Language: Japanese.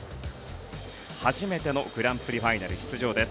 初めてのグランプリファイナル出場です。